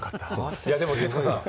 でも徹子さん